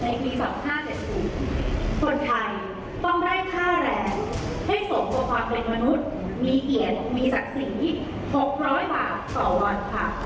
วิธีนักศึกษาที่เกาะเวลาปริญญาณรีต้องเริ่มต้นเมือนเดือนที่๒๕๐๐๐บาท